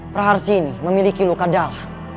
praharsini memiliki luka dalam